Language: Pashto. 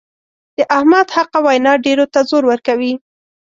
د احمد حقه وینا ډېرو ته زور ورکوي.